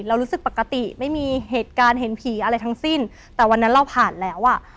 รู้สึกปกติไม่มีเหตุการณ์เห็นผีอะไรทั้งสิ้นแต่วันนั้นเราผ่านแล้วอ่ะ